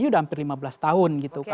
udah hampir lima belas tahun gitu